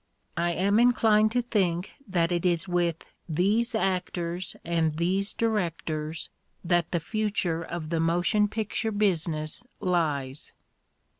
I am inclined to think that it is with these actors and these directors that the future of the motion picture business lies.